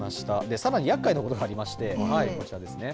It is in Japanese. さらにやっかいなことがありまして、こちらですね。